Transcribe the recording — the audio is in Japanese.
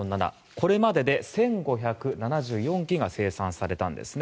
これまでで１５７４機が生産されたんですね。